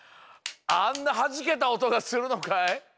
あんなはじけたおとがするのかい？